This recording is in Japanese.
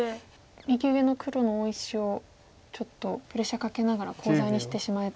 右上の黒の大石をちょっとプレッシャーかけながらコウ材にしてしまえと。